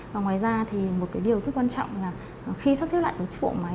và ngoài ra một điều rất quan trọng là khi sắp xếp lại tổ chức bộ máy